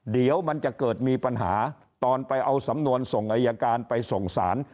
เดี๋ยวมันจะเกิดมีปัญหาตอนไปเอาสำนวนส่งอายการไปส่งสาร